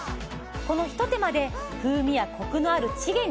このひと手間で風味やコクのあるチゲに仕上がります